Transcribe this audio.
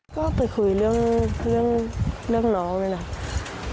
ก็ไปคุยเรื่องน้องนะครับ